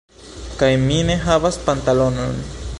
Kaj mi ne havas pantalonon.